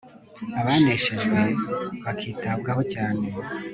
abaneshejwe bakitabwaho cyane